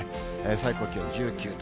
最高気温１９度。